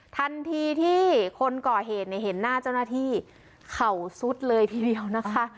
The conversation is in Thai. ทันทีที่คนก่อเห็นน่าเจ้าหน้าที่เขาสุดเลยพี่เบียวนะคะ